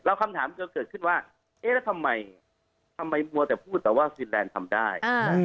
คำถามก็เกิดขึ้นว่าเอ๊ะแล้วทำไมมัวแต่พูดแต่ว่าฟินแลนด์ทำได้